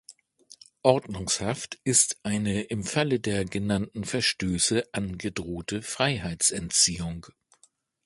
Ordnungshaft ist eine im Falle der genannten Verstöße angedrohte Freiheitsentziehung.